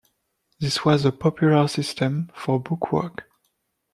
This was a popular system for book work.